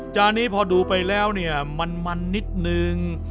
จานนี้พอดูไปแล้วเนี่ยมันนิดนึง